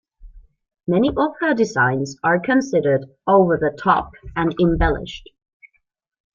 Many of her designs are considered "over the top" and embellished.